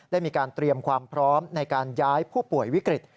ได้มีการเตรียมความพร้อมในการย้ายผู้ป่วยวิกฤต